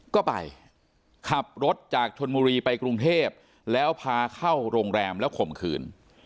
ก็ไปขับรถจากชนบุรีไปกรุงเทพแล้วพาเข้าโรงแรมแล้วข่มขืน